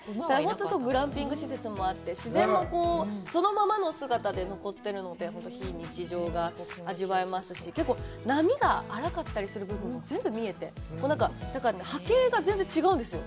グランピング施設もあって、自然もそのままの姿で残っているので、非日常が味わえますし、結構、波が荒かったりする部分も全部見えて、波形が全然違うんですよ。